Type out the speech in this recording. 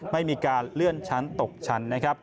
ไม่มีการเลื่อนชั้นตกชั้นนะครับ